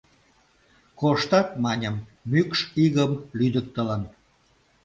Коштат, маньым, мӱкш игым лӱдыктылын.